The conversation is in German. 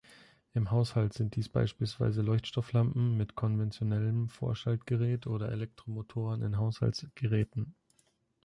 Im Haushalt sind dies beispielsweise Leuchtstofflampen mit konventionellem Vorschaltgerät oder Elektromotoren in Haushaltsgeräten.